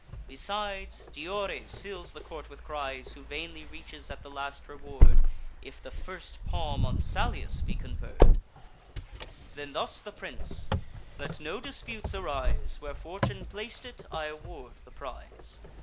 Besides, Diores fills the court with cries, Who vainly reaches at the last reward, If the first palm on Salius be conferr'd. Then thus the prince: "Let no disputes arise: Where fortune plac'd it, I award the prize.